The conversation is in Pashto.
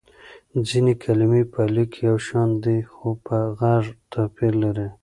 ځينې کلمې په ليک يو شان دي خو په غږ توپير لري.